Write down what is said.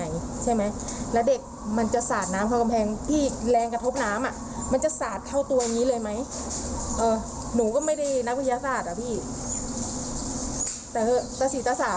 เมื่อคืนกว่าจะนอนได้คือตั้งแต่คืนแรกที่มา